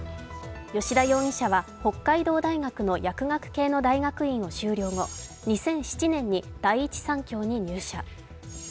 吉田容疑者は北海道大学の薬学系の大学院を修了後、２００７年に第一三共に入社。